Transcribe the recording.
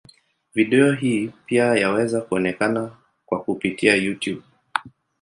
Video hii pia yaweza kuonekana kwa kupitia Youtube.